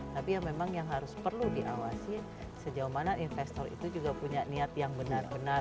tapi ya memang yang harus perlu diawasi sejauh mana investor itu juga punya niat yang benar benar